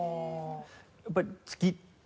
やっぱり「月」って。